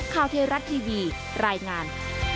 ข้าวเทราะห์ทีวีรายงาน